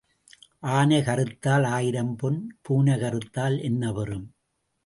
ஆனை கறுத்தால் ஆயிரம் பொன், பூனை கறுத்தால் என்ன பெறும்?